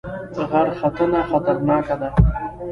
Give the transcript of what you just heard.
غرختنه خطرناکه ده؟